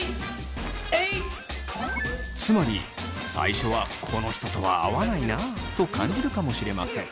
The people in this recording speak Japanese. つまり最初はこの人とは合わないなと感じるかもしれません。